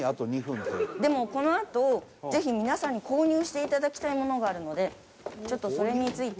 でもこのあとぜひ皆さんに購入して頂きたいものがあるのでちょっとそれについて。